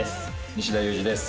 西田有志です。